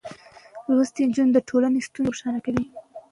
لوستې نجونې د ټولنې ستونزې روښانه کوي.